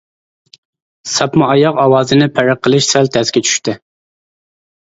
ساپما ئاياغ ئاۋازىنى پەرق قىلىش سەل تەسكە چۈشتى.